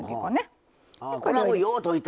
これはもうよう溶いた。